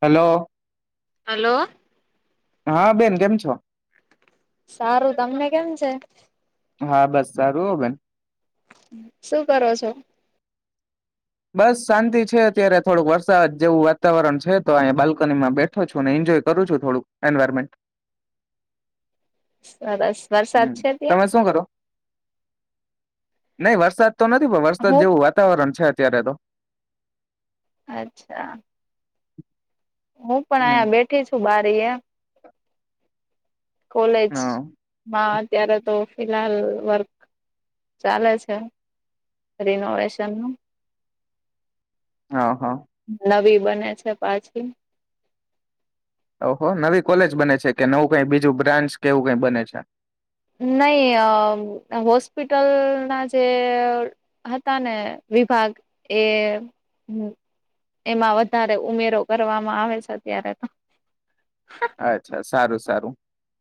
Hello. Hello. હા, બેન કેમ છો? સારું, તમને કેમ છે? હા બસ, સારું હો બને. શું કરો છો? બસ શાંતિ છે, અત્યારે થોડુંક વરસાદ જેવું વાતાવરણ છે, તો અહીંયા બાલ્કનીમાં બેઠો. છો ને, એન્જોય કરું છું, થોડું એન્વાયરમેન્ટ. સરસ. વરસાદ હમ, છે ત્યાં? તમે શું કરો? નહી વરસાદ. તો નથી, પણ વરસાદ હું જેવું વાતાવરણ છે, અત્યારે તો. અચ્છા. હું પણ હમ અહીયા બેઠી છું, બારી એ. કોલેજ હા માં અત્યારે તો ફિહાલ વર્ક ચાલે છે, રિનોવેશન નું. હ હા નવી બને છે, પાછી. ઓહો નવી કોલેજ બને છે, કે નવું કઈ બીજું બ્રાન્ચ કે એવું કઈ બને છે? નહી હોસ્પિટલ ના જે હતા ને વિભાગ એ એમાં વધારે ઉમેરો કરવામાં આવે છે, અત્યારે તો. અચ્છા સારું સારું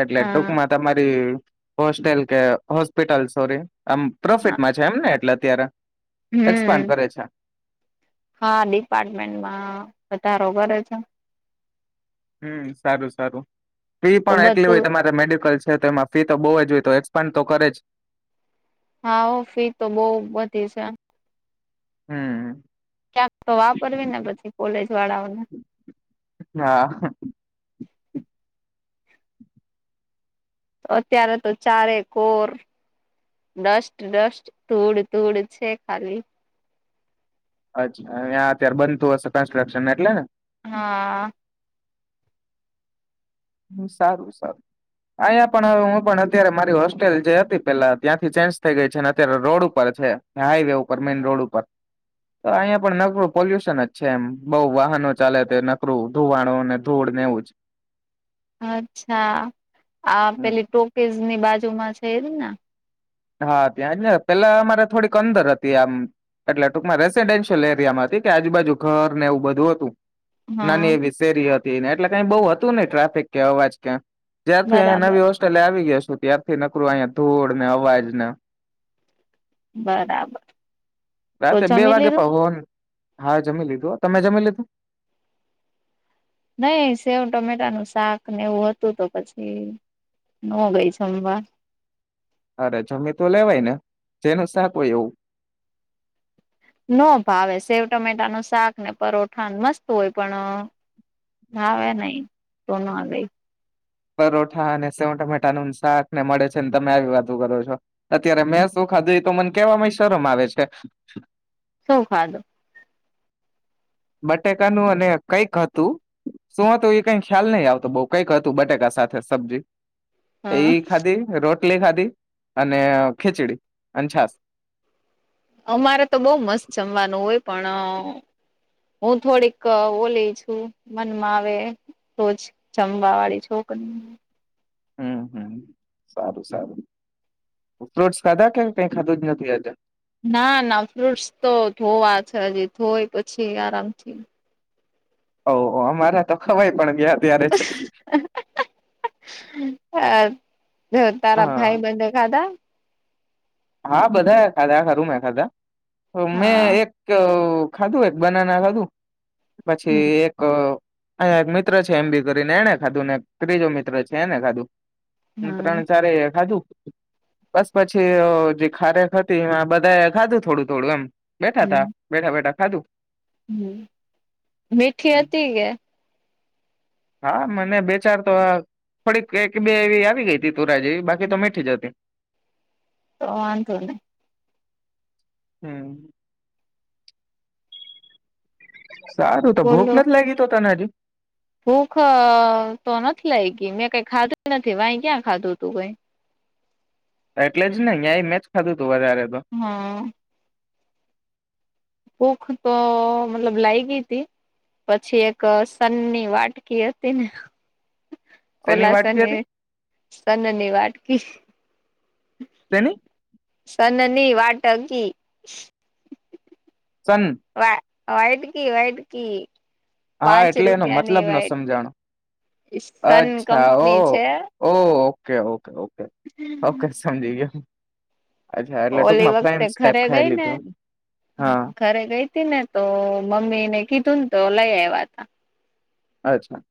એટલે હા ટૂંકમાં તમારી હોસ્ટેલ કે હોસ્પિટલ સોરી આમ હા પ્રોફિટમાં છે એમને એટલે અત્યારે હમ. એક્સપાન્ડ કરે છે. હા ડિપાર્ટમેન્ટમાં વધારો કરે છે. હમ સારું સારું ફી તો પણ એટલી બધું હોય તમારે મેડિકલ છે, તો એમાં ફી તો બહુ જ હોય તો એક્સપાન્ડ તો કરે જ. હા ફી તો બહુ બધી છે. હમ્મ ક્યાંક તો વાપરવી ને પછી કોલેજ વાળાઓને. હા અત્યારે તો ચારે કોર ડસ્ટ્ટ ડસ્ટ ધૂડ તૂડ છે, ખાલી. અચ્છા આ અત્યારે બનતું હશે કન્સ્ટ્રક્શન એટલે ને? હા સારું સારું. અહીંયા પણ હવે હું પણ અત્યારે મારી હોસ્ટેલ જે હતી પેલા ત્યાંથી ચેન્જ થઇ ગઈ છે અને અત્યારે રોડ ઉપર છે. હાઇવે ઉપર મેઇન રોડ ઉપર તો અહિયાયા પણ નકરું પોલ્યુશન જ છે, એમ બઉુ વાહનો ચાલે છે, નકરું ધુમાડો અને ધૂળને એવું જ. અચ્છા આ જ પેલી ટોકીઝ ની બાજુમાં છે, એ જને? હા ત્યાં જ ને પેલા અમારે થોડીક અંદર હતી આમ એટલે ટુંકમાં રેસીડેન્શિયલ એરિયામાં હતી કે આજુબાજુ ઘર ને એવું બધું હતું. હા નાની એવિ શેરી હતી એટલે કઈ બહુ હતું નઈ ટ્રાફિક કે અવાજ ક્યાય. જ્યારથી અહીંયા બરાબર નવી હોસ્ટેલે આવી ગયા છું ત્યારથી નકડુ અહીંયા ધૂળ ને અવાજને બરાબર તો રાતે બે જમી વાગે લીધું પણ હોંન હા જમી લીધું તમે જમી લીધું? નહી સેવ ટમેટા નું શાક ને એવું હતું તો પછી નો ગઈ જમવા. અરે જમી તો લેવાય ને જેનું સાખ હોય એવું. નો ભાવે સેવ ટમેટા ન શાક ને પરોઠા મસ્ત હોય પણ હાવે નહી તો નો ગઈ. પરોઠા અને સેવ ટમેટા નું શાક ને મળે છે ને તમે આવી વાત કરો છો. અત્યારે મે સું ખાધું તો મને કેહેવામાંય શરમ આવે છે. શુ ખાધુ? બટેકા નું અને કઈક હતું. શું તો, એ કઈ ખ્યાલ નહી આવતો, બઉ કઈક હતું, બટેકા સાથે સબ્જી. એ હા ખાધી રોટલી ખાધી અને ખીચડી અને છાસ. અમારે તો બહુ મસ્ત જમવાનું હોય, પણ હું થોડીક ઓલી છું, મનમાં આવે. તોજ જમવા વાળી છોકરી. હમ, હમ, સારું સારું ફ્રૂટ્સ ખાધા કેમ કઈ ખાધું જ નથી, આજ. ના, ના ફ્રૂટસ તો ધોવા છે, હજી ધોય પછી આરામથી ઓ અમારા તો ખવાય પણ ગયા ત્યારે છે. તારા હા ભાઈબાંધે ખાધા. હા, બધા ખાધા આ ખા રુંમે ખાધા તો મેં હા એક એક ખાધું, એક બનાના ખાધું હમ પછી એક અહીંયા એક મિત્ર છે, એમ બી કરીને, એને ખાધું ને એક ત્રીજો મિત્ર છે, એને ખાધું. હા ત્રણ ચારે ખાધું, બસ પછી છી ખારેખ હતી બધા, ખાધું થોડું-થોડું એમ બેઠા તા, હમ બેઠા-બેઠા ખાધું. હમ, મીઠી હતી કે. હા, મને બેચાર તો ફડી બે એવી, આવી ગઈ હતી, તુંરા જેવી બાકી તો મીઠી જતી. તો વાંધોની. હમ. સારું તો, ભૂખ બોલો નથી લાગી, તો તનાજી ભૂખ તો નથી ગઈ, મેં કઈ ખાધી નથી, વાહી ક્યાં ખાધું તું? એટલે જ નને અહીય મેચ ખાધું તું વધારે તો. હા. ભૂક તો મતલબ લાગી હતી. પછી એક સનની વાટકી હતી ને. તેની વાટકી હતી સનની [unintelligible] તેની સન નની વાટકી. સંન. વા વાયટ કી વયટ કી. [unintelligible] હા પાંચ એટલે એનો મતલબ ન રૂપિયાની સમજાણો સન અચ્છા ઓ કંપની છે. ઓ ઓકે, ઓકે, ઓકે, ઓકે સમજી ગયા. ઓલી વખતે ઘરે ખાઈ ગઈ ને, લીધું હ હા ઘરે ગઈ. ને તો મમ્મી ને કીધુંને, તો લઈ આવ્યા ત. અચ્છા.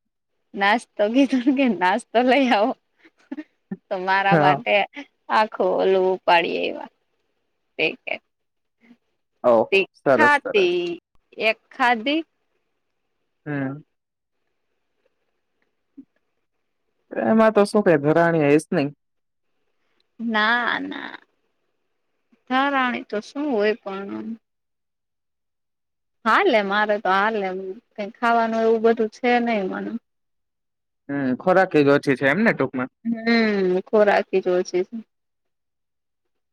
નાસ્તો કીધો કે, નાસ્તો લઈ આવો તો, મારા હા માટે. આખો ઓલું એવા. ઓહો તી સરસ સરસ ખાદી. હમ્મ. એમાં તો શું ધરાણી આવીશ નહી. નાના ધરાણી તો શું હોય પણ? હાલેે મારે તો, હાલેેમ કઈ ખાવાનું એવું બધું છે, નહી મને હમ્મ, ખોરાક એ જ ઓછી છે, એમને ટૂકમાં હમ્મ, ખોરાક જો ઓ છે.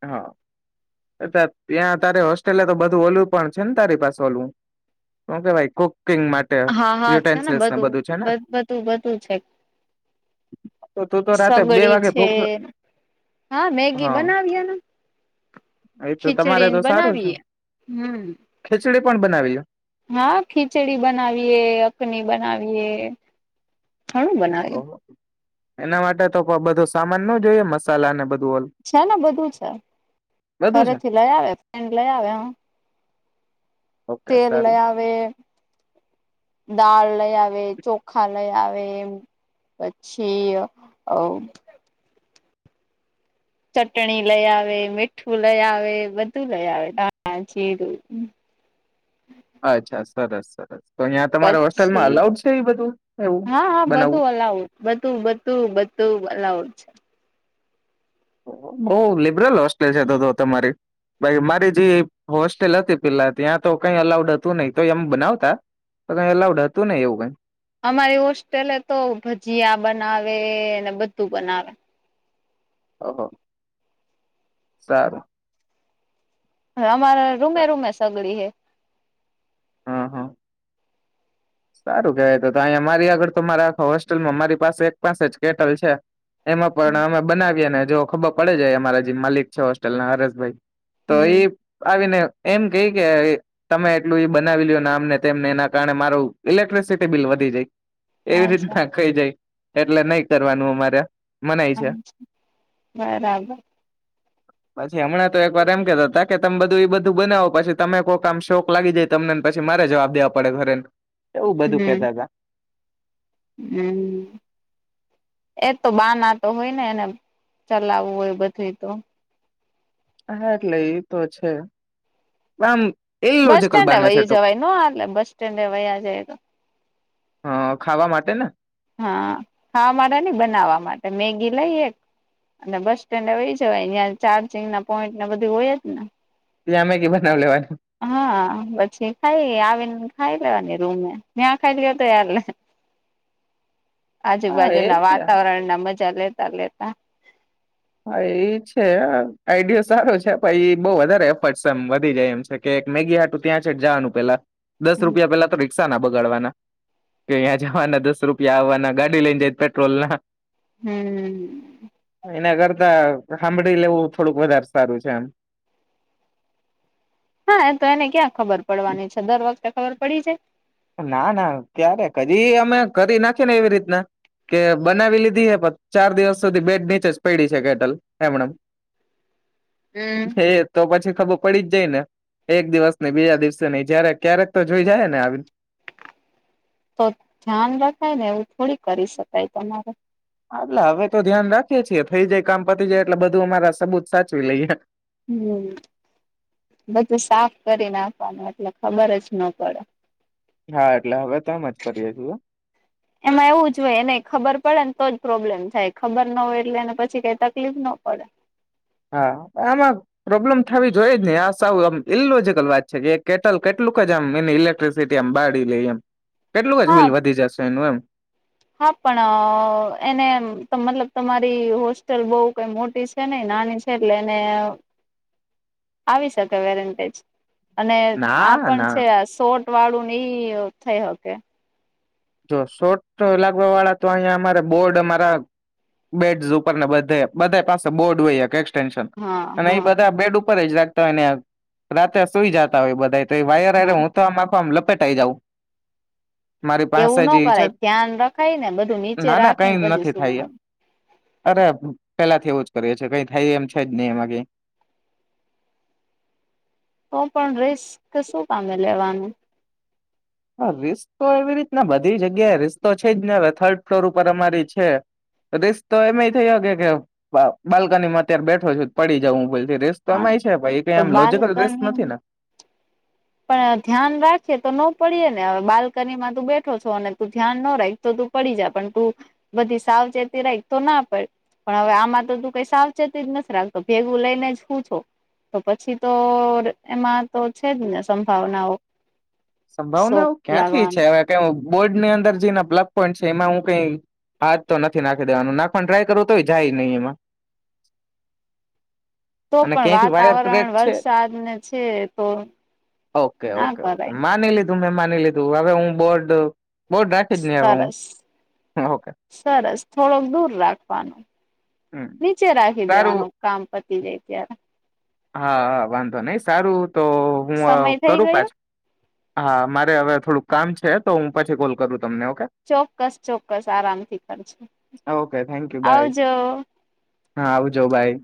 હા, અ ત્યાં તારે હોસ્ટેલે તો બધું ઓલું પણ છે ને, તારી પાસે ઓલું. ઓકે, ભાઈ [unintelligible] હા, હા છે ને બધું બધું બધું છે. તો તું તો રાતે બે સગડી વાગે છે, ભૂખ હા મેગી બનાવીએ ને. હા એતો તમારે ખીચડીને તો સારું છે. બનાવીએ હમ ખીચડી પણ બનાવીએ. હા, ખીચડી બનાવીએ, અકની બનાવીએ ઘણું બના ઓહો! એના માટે તો કો બધો સામાન ન જોઈએ મસાલાને બધું ઓલ છે ને બધું છે. બધું છે ઘરેથી લઈ આવે ફ્રેડ લઈ આવે હહ. ઓકે તેલ સારું લઈ આવે. દાળ લઈ આવે, ચોખા લઈ આવે એમ. પછી અ ચટણી લઈ આવે, મીઠું લઈ આવે, બધું લઈ આવે. હા હા જીરું. અચ્છા, સરસ સરસ. તો અહીંયા તમારે હોસ્ટેલમાં પછી અલાઉડ છે એ બધું એવું હા હા બનાવવું? બધું અલાઉડ બધું બધું બધું અલાઉડ છે. ઓહો! બહુ લિબરલ હોસ્ટેલ છે તો તો તમારી. બાકી મારી જે હોસ્ટેલ હતી પેલા ત્યાં તો કઈ અલાઉડ હતું નઈ. તોય એમ બનાવતા. પણ એલાઉડ હતું નઈ એવું કાઈ. અમારી હોસ્ટેલે તો ભજીયા બનાવે ને બધું બનાવે. ઓહો! સારું. હવે અમારે રૂમે-રૂમે સગડી હે. હા, હા. સારું કેવાય તો તો. અહીં મારી આગળ તો મારા આખા હોસ્ટેલમાં મારી પાસે એક પાસે જ કેટલ છે. એમાં પણ અમે બનાવીએ અને જો ખબર પડે જ અમારા જે માલિક છે, હોસ્ટેલના હરેશભાઈ. તો, હમ ઈ આવી ને એમ કે કે તમે એટલું એ બનાવી લ્યો ને આમને તેમને એના કારણે મારું ઇલેક્ટ્રિસિટી બિલ વધી જાય એવી અચ્છા રીતના ખઈ જાય એટલે નહી કરવાનું અમારે આ હા, બરાબર. પછી હમણાં તો એકવાર એમ કેતાતા કે તમે બધું એ બધું બનાવો પછી તમે કોક આમ શોખ લાગી જાય. તમને ને પછી મારે જવાબ દેવા પડે ઘરે એવું બધું કેતા તા. હમ્મ. એ તો બાના તો હોય ને એને ચલાવવું હોય બધું તો હા, એટલે એ તો છે આમ બસ ઇલોજકલ સ્ટેન્ડે બાના છે વયૂ ટોક જવાય નો હાલે બસ સ્ટેન્ડે વયા જઇએ તો? હા, ખાવા માટે ને? હા, હા મારે નહી બનાવવા માટે મેગી લઈ એક અને બસ સ્ટેન્ડ એ વઈ જવાય ન્યા ચાર્જિંગના પોઈન્ટને બધું હોય જ ને. ત્યાં મેગી બનાવી લેવાની. હા પછી ખાઈ આવીને ખાઈ લેવાની રૂમે ત્યાં ખાઈ લઈએ તોય હાલે. હા એ આજુબાજુના છે વાતાવરણના મજા લેતા લેતા. હા એ છે આઈડયો સારો છે પ એ બહુ વધારે એફરસ્ટ એમ વધી જાય એમ છે. કે એક મેગી હાટું ત્યાં છેટ જાવાનું પેલા દસ હમ રૂપિયા પેલા તો રિક્ષાના બગાડવાના. કે અહીં જાવાના દસ રૂપિયા આવવાના ગાડી લઈને જાય તો પેટ્રોલના. હમ એના કરતા સાંભળી લેવું થોડુંક વધારે સારું છે એમ. હા તો એને ક્યાં ખબર પડવાની છે દર વખતે ખબર પડી જાય? ના, ના ક્યારે કદી અમે કરી નાખી ને, એવી રીતના. કે બનાવી લીધી, હ ચાર દિવસ સુધી બેડ નીચે જ પડી છે, કેટલ એમણે એમ. [unintelligible] હ. તો પછી ખબર પડી જ જાય ને, એક દિવસ નઈ, બીજા દિવસે નઈ, જયારે ક્યારેક તો જોઈ જાય ને આવીને. તો ધ્યાન રખાય ને, એવું થોડી કરી શકાય તમારે. હાટલે હવે તો ધ્યાન રાખીએ છીએ, થઈ જાય કામ પતી જાય, એટલે બધું અમારા સબૂત સાચવી લઈએે. હમ. બધું સાફ કરી નાખવાનું, એટલે ખબર જ ન પડે. હા, એટલે હવે તો જ કરીએ છું. હ. એમાં એવું જ હોય, એને ખબર પડે ને, તો જ પ્રોબ્લેમ થાય, ખબર ના હોય, એટલે એને પછી કઈ તકલીફ ના પડે. હા, આમાં પ્રોબ્લેમ થવી જોઈએ જ ને, આ સુંમ ઇલોજીકલ વાત છે કે, કેટલ કેટલુંક જ આમ એ લે. ટી આમ બાડી લઈ, એમ કેટલું જ હા બિલ વધી જશે, એનું એમ. હા, પણ એને મતલબ તમારી હોસ્ટેલ બહુ કઈ મોટી છે, નહી નાની છે, એટલે એને આવી શકે, વેરન્ટજ અને આ ના પણ ના છે, આ શોટ વાળું ને, એઈ થઈ હકે. જો શોટ લાગવા વાળા તો, અહિયાયા અમારે બોર્ડ અમારા બેડસ ઉપર ને, બધે બધા પાસે બોર્ડ હોય કે. હા અને એ હા બધા બેડ ઉપર જ રાખતા હોય ને, રાતે સુઈ જતા હોય બધા. વાયર, હા હું તો આખ આમ લપેટ આવી જાઉં મારી. પાસે એવું ન જે છે કરાય ધ્યાન રખાય ને, બધું નીચે ના ના રાખી કઈ ને પછી નથી થાય શુંવા અરે પેલા થી એવું જ કરીએ છે, કઈ થાય એમ છે જ નહી, એમાં ક તો પણ રેસ કે, શું પામે લેવાનું? હા, રિસ્તો એવી રીતના બધી જગ્યાએ છે, જ ને હવે થર્ડ ફ્લોર ઉપર છે. રેસ તો એમ થઈયો કે, કે બાલ્કની માં અત્યારે બેઠો છે, પડી જઉ હું બોલ રેસ. તો હા એમાં એ છે, ભાઈ કઈ તો આમ લોજિકલ દસ બાલ્કની નથી ને. પણ ધ્યાન રાખીએ, તો ન પડીએે ને, હવે બાલ્કની માં તું બેઠો છો, અને તું ધ્યાન ન રાખ. તો તું પડી જ પણ તું, બધી સાવચેતી રાઈ તો ના પડે. પણ હવે આમાં તો તું કઈ સાવચેતી જ નથી રાખતો, ભેગું લઈને જ શું છો? તો પછી તો એમાં તો છે જ ને, સંભાવનાઓ. શોક સંભાવનાઓ ક્યાંથી લાગવાનું છે, હ બોર્ડ ની અંદર જેના બ્લગ પણઈન્ટ છે, એમાં હું કઈ હાજ તો નથી, નાખી દેવાનું, નાખવાનું ટ્રાય કરવું, તો જાય નહી એમાં. [unintelligible] તો અને પણ ક્યાંથી વાયર ક્રેક વાતાવરણ છે વરસાદને છે, તો ઓકે ના ઓકે કરાય. ઓકે માની લીધું મેં, માની લીધું હવે, હું બોર્ડ બોર્ડ રાખી જ નહી, હવે સરસ હું ઓકે. સરસ, થોડોક દૂર રાખવાનું, હમ નીચે રાખી સારું દેવાનું. કામપતિ જે તાર હા, હા, વાંધો નહી સારું, તો હું સમય થઈ કરું ગયો પછી. હા, મારે હવે થોડુંક કામ છે, તો હું પછી કોલ કરું તમને ઓકે. ચોક્કસ, ચોક્કસ, આરામથી કરજો. ઓકે, થેન્કયુ, બાય, આવજો. હા, આવજો બાય.